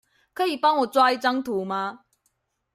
可以幫我抓一張圖嗎？